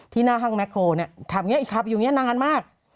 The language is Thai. ที่หน้าห้างแม็กโครนะทำอย่างนี้ขับอยู่นี่นานมาก